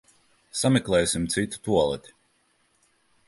Sameklēsim citu tualeti.